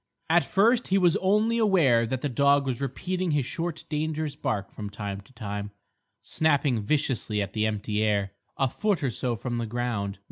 At first he was only aware that the dog was repeating his short dangerous bark from time to time, snapping viciously at the empty air, a foot or so from the ground.